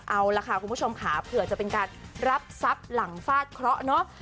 เอาล่ะค่ะคุณผู้ชมค่ะเผื่อจะเป็นการรับทรัพย์หลังฟาดเคราะห์เนาะ